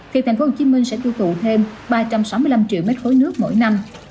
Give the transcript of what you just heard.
thì tp hcm sẽ tiêu thụ thêm ba trăm sáu mươi năm triệu m ba nước mỗi năm